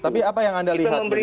tapi apa yang anda lihat berikutnya